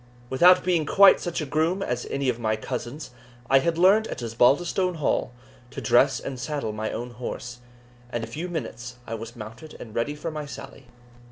Without being quite such a groom as any of my cousins, I had learned at Osbaldistone Hall to dress and saddle my own horse, and in a few minutes I was mounted and ready for my sally.